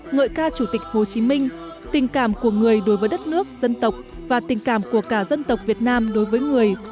ngợi ca chủ tịch hồ chí minh tình cảm của người đối với đất nước dân tộc và tình cảm của cả dân tộc việt nam đối với người